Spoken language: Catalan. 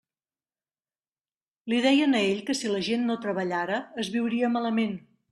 Li deien a ell que si la gent no treballara, es viuria malament.